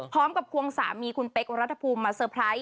พร้อมกับควงสามีคุณเป๊ะวรรถภูมิมาเซอร์ไพรส์